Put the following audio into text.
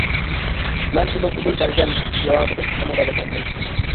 مەن ئۇنىڭ ئۇدۇل بەرگەن جاۋابىدىن تېخىمۇ غەزەپلەندىم.